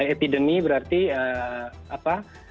epidemi berarti apa